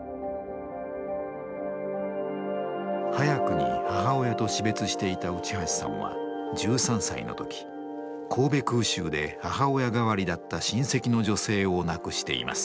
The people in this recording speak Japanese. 早くに母親と死別していた内橋さんは１３歳の時神戸空襲で母親代わりだった親戚の女性を亡くしています。